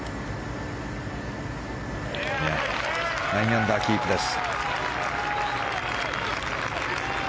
９アンダーキープです。